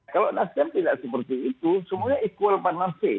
kalau nasdem tidak seperti itu semuanya equal partnership